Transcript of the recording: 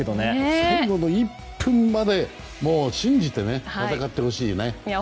最後の１分まで信じて戦ってほしいね。